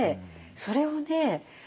それをね